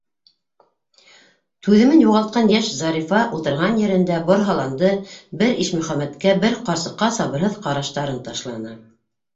Түҙемен юғалтҡан йәш Зарифа ултырған ерендә борһаланды, бер Ишмөхәмәткә, бер ҡарсыҡҡа сабырһыҙ ҡараштарын ташланы.